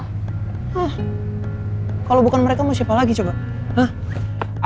hah kalo bukan mereka mau siapa lagi coba hah